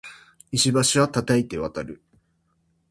石橋は叩いて渡る